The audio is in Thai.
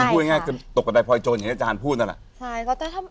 คือพูดง่ายก็ตกกระด่ายพลอยโจรเห็นอาจารย์พูดนั่นแหละ